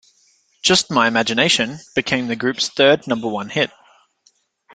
"Just My Imagination" became the group's third number-one hit.